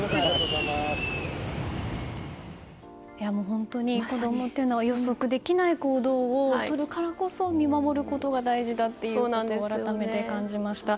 本当に子供というのは予測できない行動をとるからこそ、見守ることが大事だっていうことを改めて感じました。